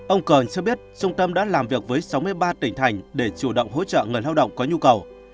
ông cường cho biết trung tâm đã làm việc với sáu mươi ba tỉnh thành để chủ động hỗ trợ người lao động có nhu cầu